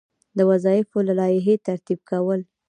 د وظایفو د لایحې ترتیب کول.